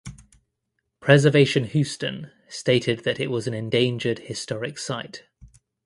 Preservation Houston stated that it was an endangered historic site.